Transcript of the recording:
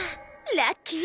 ラッキー。